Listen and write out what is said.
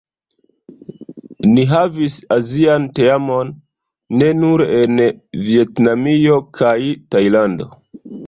Ni havis Azian teamon ne nur en Vjetnamio kaj Tajlando.